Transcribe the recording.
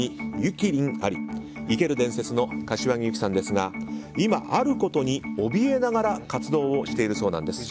生ける伝説の柏木由紀さんですが今、あることにおびえながら活動をしているそうなんです。